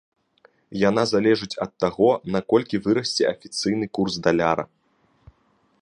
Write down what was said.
Яна залежыць ад таго, наколькі вырасце афіцыйны курс даляра.